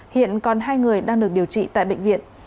hiện còn hai người đang được điều trị tại bệnh viện